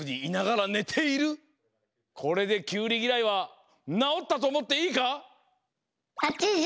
これでキュウリぎらいはなおったとおもっていいか？